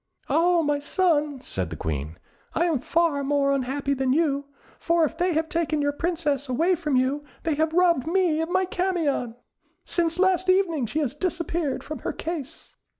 "Ah, my son," said the Queen, "I am far more unhappy than you, for if they have taken your Princess away from you, they have robbed me of my Camion. Since last evening, she has disappeared from her case!"